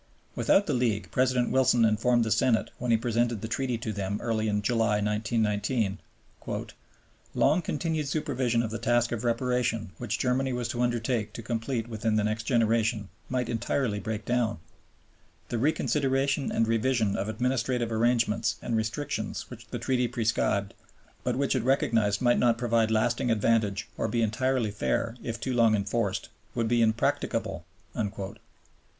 Without the League, President Wilson informed the Senate when he presented the Treaty to them early in July, 1919, "...long continued supervision of the task of reparation which Germany was to undertake to complete within the next generation might entirely break down; the reconsideration and revision of administrative arrangements and restrictions which the Treaty prescribed, but which it recognized might not provide lasting advantage or be entirely fair if too long enforced, would be impracticable."